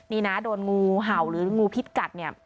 นี่นะโดนงูเห่าหรืองูพิษกัดเนี่ย